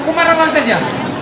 kumparan lounge aja